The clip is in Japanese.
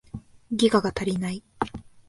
ギガが足りない